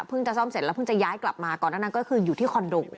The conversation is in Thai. เพิ่งจะซ่อมเสร็จแล้วพึ่งจะย้ายกลับมาก่อนนั้นคืออยู่ที่คอนโดก